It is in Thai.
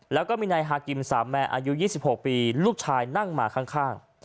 แล้วก็มีนายฮากิมสามแมร์อายุ๒๖ปีลูกชายนั่งมาข้าง